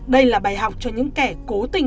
đây là bài học cho những kẻ cố tình